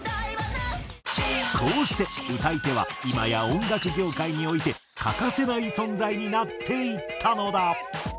こうして歌い手は今や音楽業界において欠かせない存在になっていったのだ。